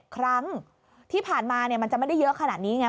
ครั้งที่ผ่านมามันจะไม่ได้เยอะขนาดนี้ไง